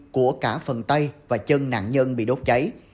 của cả phần tay và chân nạn nhân bị đốt cháy